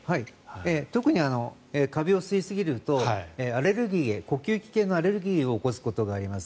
特にカビを吸いすぎると呼吸器系のアレルギーを起こすことがあります。